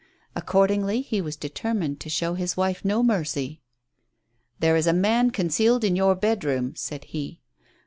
Accordingly he was deter mined to show his wife no mercy. "There is a man concealed in your bed room," said he.